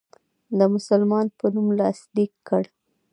د مسلمان په نوم لاسلیک کړ.